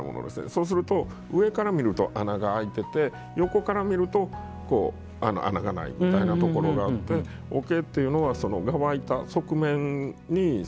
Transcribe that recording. そうすると上から見ると穴が開いてて横から見ると穴がないみたいなところがあって桶というのは側板側面に。